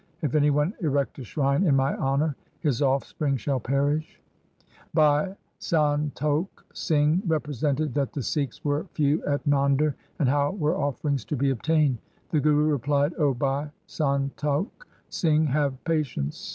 If any one erect a shrine in my honour, his offspring shall perish.' Bhai Santokh Singh represented that the Sikhs were few at Nander, and how were offerings to be obtained? The Guru replied, ' O Bhai Santokh Singh, have patience.